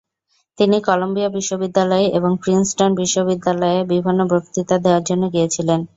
তিনি কলাম্বিয়া বিশ্ববিদ্যালয় এবং প্রিন্সটন বিশ্ববিদ্যালয়ে বিভিন্ন বক্তৃতা দেওয়ার জন্য গিয়েছিলেন।